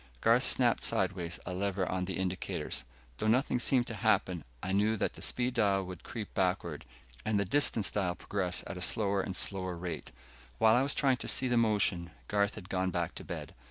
Garth snapped sideways a lever on the indicators. Though nothing seemed to happen, I knew that the speed dial would creep backward, and the distance dial progress at a slower and slower rate. While I was trying to see the motion, Garth had gone back to bed.